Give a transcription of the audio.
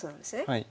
はい。